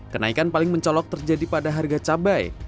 kenaikan paling mencolok terjadi pada harga cabai